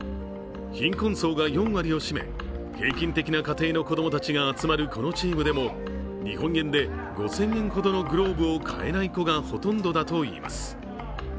貧困層が４割を占め、平均的な家庭の子供たちが集まるこのチームでも日本円で５０００円ほどのグローブを変えない子がほとんどだといいます。